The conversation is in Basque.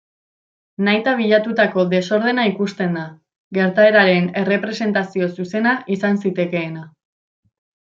Nahita bilatutako desordena ikusten da, gertaeraren errepresentazio zuzena izan zitekeena.